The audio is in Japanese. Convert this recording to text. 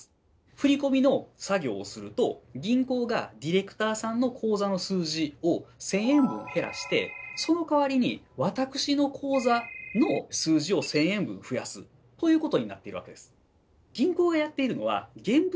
振り込みの作業をすると銀行がディレクターさんの口座の数字を１，０００円分減らしてそのかわりに私の口座の数字を１，０００円分増やすということになっているわけです。